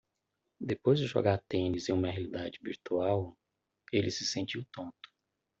Depois de jogar tênis em realidade virtual? ele se sentiu tonto.